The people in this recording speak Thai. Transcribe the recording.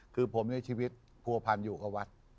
คือผมในชีวิตภูพันธ์อยู่กับวัฒน์